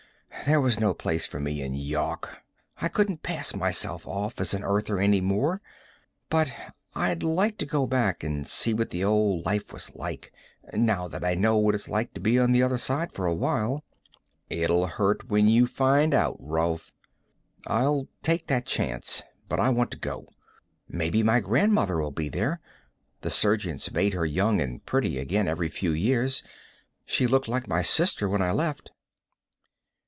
There was no place for me in Yawk; I couldn't pass myself off as an Earther any more. But I'd like to go back and see what the old life was like, now that I know what it's like to be on the other side for a while." "It'll hurt when you find out, Rolf." "I'll take that chance. But I want to go. Maybe my grandmother'll be there. The surgeons made her young and pretty again every few years; she looked like my sister when I left."